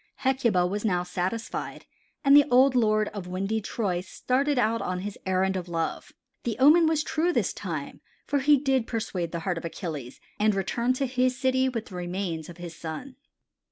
Hecuba was now satisfied and the old lord of windy Troy started out on his errand of love. The omen was true this time for he did persuade the heart of Achilles and returned to his city with the remains of his son.